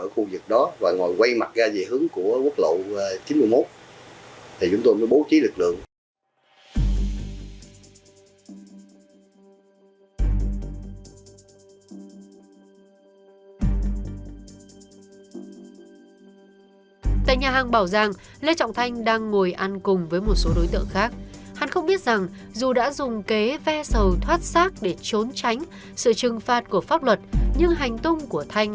các tổ công tác được giao nhiệm vụ trực tiếp xuống nhà hàng bảo giang thuộc phường mỹ thới thành phố long xuyên